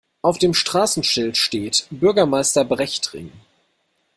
Auf dem Straßenschild steht Bürgermeister-Brecht-Ring.